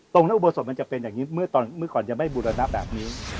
ตรงนั้นอุโบสถมันจะเป็นอย่างนี้เมื่อก่อนจะไม่บูรณะแบบนี้